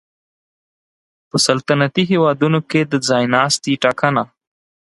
په سلطنتي هېوادونو کې د ځای ناستي ټاکنه